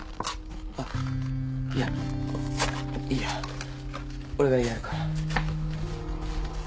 あっいやいいや俺がやるから。